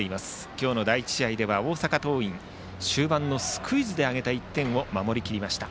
今日の第１試合では大阪桐蔭終盤のスクイズで挙げた１点を守りきりました。